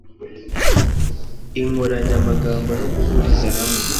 inkoranyamagambo no guhuriza hamwe